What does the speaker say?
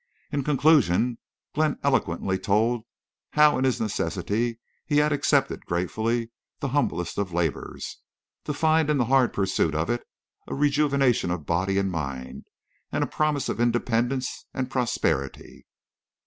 In conclusion Glenn eloquently told how in his necessity he had accepted gratefully the humblest of labors, to find in the hard pursuit of it a rejuvenation of body and mind, and a promise of independence and prosperity.